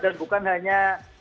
dan bukan hanya